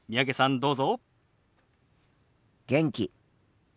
どうぞ。